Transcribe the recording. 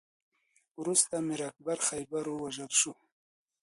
وروسته میر اکبر خیبر ووژل شو.